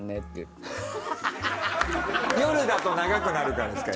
夜だと長くなるからですか？